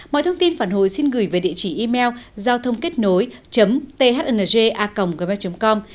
mọi thông tin phản hồi xin gửi về địa chỉ email giao thôngkếtnối thnga gov com